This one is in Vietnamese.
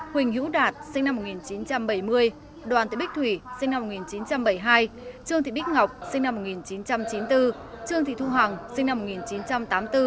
huỳnh hữu đạt sinh năm một nghìn chín trăm bảy mươi đoàn thị bích thủy sinh năm một nghìn chín trăm bảy mươi hai trương thị bích ngọc sinh năm một nghìn chín trăm chín mươi bốn trương thị thu hằng sinh năm một nghìn chín trăm tám mươi bốn